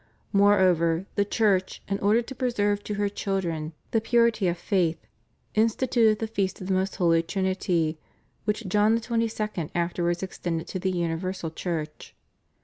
Moreover the Church, in order to pre serve in her children the purity of faith, instituted the Feast of the Most Holy Trinity, which John XXII. afterwards extended to the Universal Church.